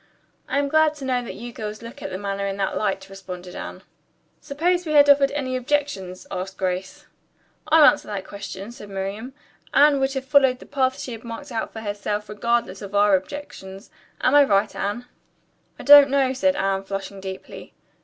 "I am glad to know that you girls look at the matter in that light," replied Anne. "Suppose we had offered any objections?" asked Grace. "I'll answer that question," said Miriam. "Anne would have followed the path she had marked out for herself regardless of our objections. Am I right, Anne?" "I don't know," said Anne, flushing deeply.